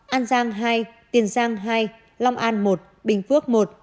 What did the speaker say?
an giang hai tiền giang hai long an một bình phước một